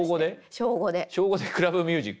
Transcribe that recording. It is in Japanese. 小５でクラブミュージック。